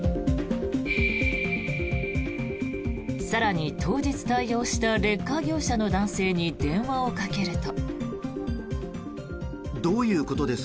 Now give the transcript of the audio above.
更に、当日対応したレッカー業者の男性に電話をかけると。